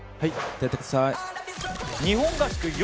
出てください。